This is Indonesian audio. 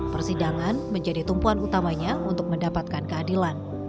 persidangan menjadi tumpuan utamanya untuk mendapatkan keadilan